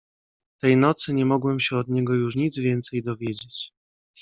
"Tej nocy nie mogłem się od niego już nic więcej dowiedzieć."